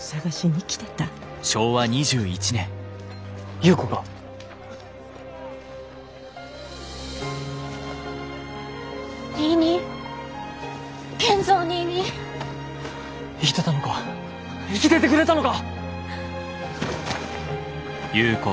生きてたのか生きててくれたのか！